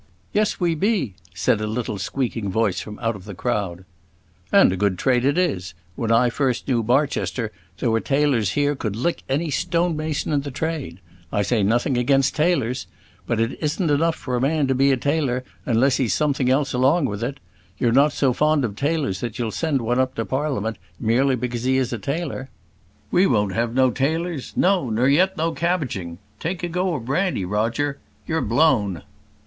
"Yes, we be," said a little squeaking voice from out of the crowd. "And a good trade it is. When I first knew Barchester there were tailors here could lick any stone mason in the trade; I say nothing against tailors. But it isn't enough for a man to be a tailor unless he's something else along with it. You're not so fond of tailors that you'll send one up to Parliament merely because he is a tailor." "We won't have no tailors. No; nor yet no cabbaging. Take a go of brandy, Roger; you're blown."